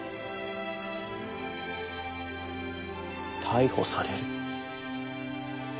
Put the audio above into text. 逮捕される。